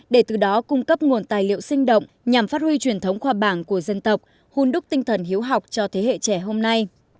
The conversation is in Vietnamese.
để từ đó cung cấp nguồn tài liệu sinh động nhằm phát huy truyền thống khoa bảng của dân tộc hun đúc tinh thần hiếu học cho thế hệ trẻ hôm nay